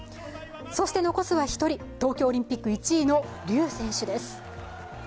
そして残すは２人、東京オリンピック１位のリュウ選手です。